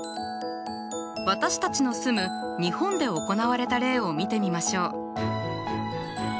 私たちの住む日本で行われた例を見てみましょう。